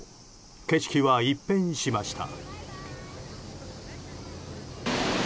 景色は一変しました。